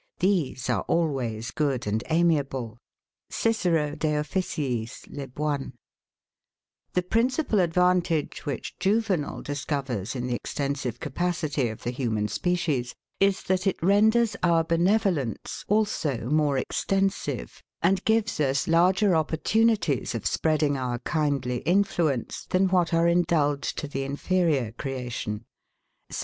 These are always good and amiable [Cic. de Officiis, lib. I]. The principal advantage, which Juvenal discovers in the extensive capacity of the human species, is that it renders our benevolence also more extensive, and gives us larger opportunities of spreading our kindly influence than what are indulged to the inferior creation [Sat.